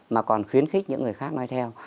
mà còn khuyến khích những người khác nói theo